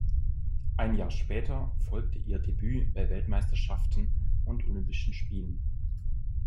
Ein Jahr später folgte ihr Debüt bei Weltmeisterschaften und Olympischen Spielen.